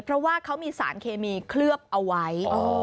เพราะว่าเขามีสารเคมีเคลือบเอาไว้